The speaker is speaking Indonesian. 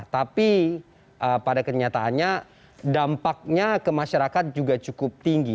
tapi pada kenyataannya dampaknya ke masyarakat juga cukup tinggi